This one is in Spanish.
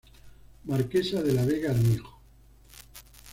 Marquesa de la Vega Armijo".